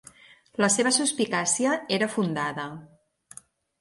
La seva suspicàcia era fundada.